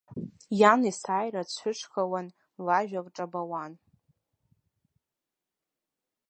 Иан есааира дцәышхауан, лажәа лҿабауан.